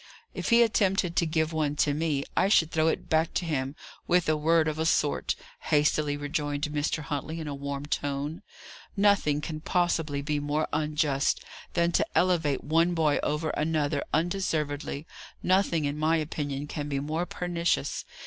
"If he attempted to give one to me, I should throw it back to him with a word of a sort," hastily rejoined Mr. Huntley, in a warm tone. "Nothing can possibly be more unjust, than to elevate one boy over another undeservedly; nothing, in my opinion, can be more pernicious.